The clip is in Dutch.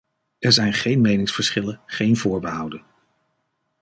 Er zijn geen meningsverschillen, geen voorbehouden.